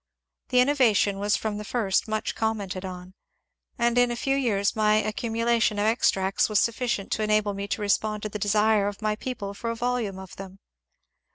The in novation was from the first much commented on, and in a few years my accimiulation of extracts was sufficient to enable me to respond to the desire of my people for a volume of them.